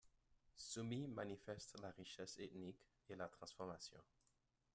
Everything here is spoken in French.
Sumi manifeste la richesse ethnique et la transformation.